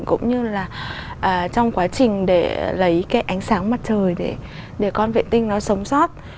cũng như là trong quá trình để lấy cái ánh sáng mặt trời để con vệ tinh nó sống sót